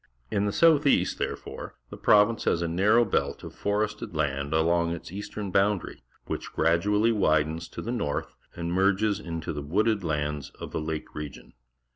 In the south east, therefore, the province has a narrow belt of forested hind along its eastern boundarj^ which gradually widens to the north and merges into the wooded lands of the lake region.